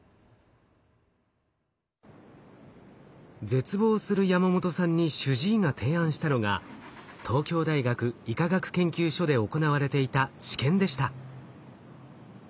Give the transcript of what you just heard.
絶望するヤマモトさんに主治医が提案したのが東京大学医科学研究所で行われていた治験でした。